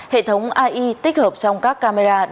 hệ thống ai tích hợp trong các camera giao thông